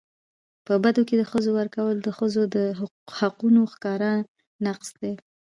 په بدو کي د ښځو ورکول د ښځو د حقونو ښکاره نقض دی.